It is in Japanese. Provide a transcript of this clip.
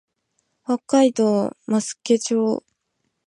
北海道増毛町